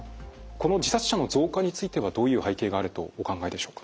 この自殺者の増加についてはどういう背景があるとお考えでしょうか？